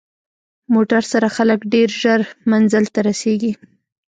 موټر سره خلک ډېر ژر منزل ته رسېږي.